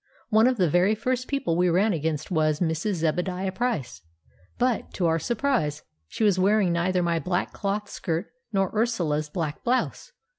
One of the very first people we ran against was Mrs. Zebadiah Price; but, to our surprise, she was wearing neither my black cloth skirt nor Ursula's black blouse.